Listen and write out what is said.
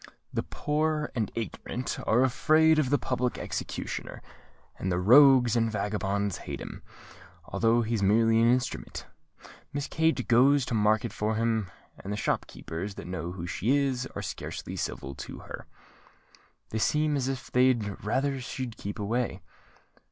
The poor and ignorant are afraid of the public executioner; and the rogues and vagabonds hate him, although he's merely an instrument. Miss Kate goes to market for him; and the shop keepers that know who she is, are scarcely civil to her. They seem as if they'd rather she'd keep away."